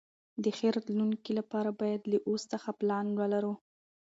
د ښې راتلونکي لپاره باید له اوس څخه پلان ولرو.